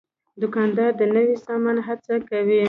دوکاندار د نوي سامان هڅه کوي.